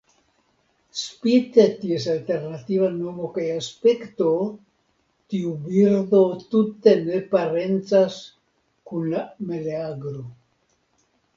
Spite ties alternativa nomo kaj aspekto, tiu birdo tute ne parencas kun la meleagro.